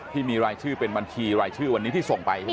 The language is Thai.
ที่มีรายชื่อเป็นบัญชีรายชื่อวันนี้ที่ส่งไปใช่ไหม